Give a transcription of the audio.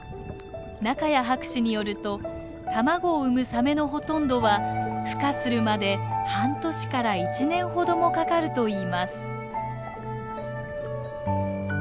仲谷博士によると卵を産むサメのほとんどはふ化するまで半年から１年ほどもかかるといいます。